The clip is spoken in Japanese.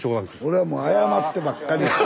俺はもう謝ってばっかりやった。